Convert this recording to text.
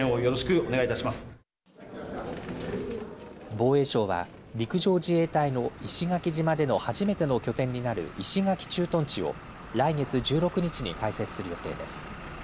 防衛省は陸上自衛隊の石垣島での初めての拠点になる石垣駐屯地を来月１６日に開設する予定です。